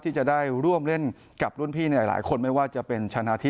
ที่จะได้ร่วมเล่นกับรุ่นพี่หลายคน